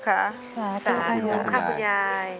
สำคัญค่ะคุณยาย